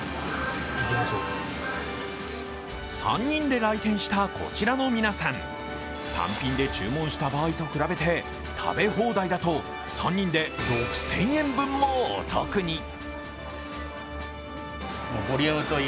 ３人で来店したこちらの皆さん、単品で注文した場合と比べて食べ放題だと３人で６０００円分もお得に。